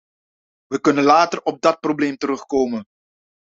Wij kunnen later op dat probleem terugkomen.